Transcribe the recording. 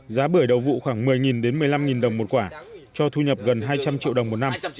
giá bưởi đầu vụ khoảng một mươi một mươi năm đồng một quả cho thu nhập gần hai trăm linh triệu đồng một năm